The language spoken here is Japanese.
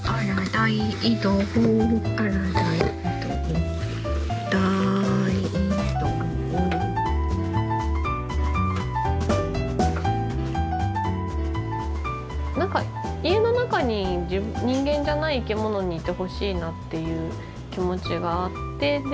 大移動大移動何か家の中に人間じゃない生き物にいてほしいなっていう気持ちがあってで